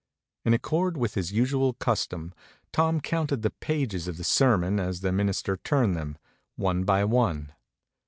In accord with his usual custom Tom counted the pages of the sermon as the minister turned them, one by one.